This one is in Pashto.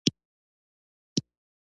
د رام بلوا اقتصادي ریښې لرلې.